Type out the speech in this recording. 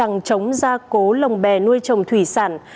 các tỉnh đã tổ chức trăng chống gia cố lồng bè nuôi trồng thủy sản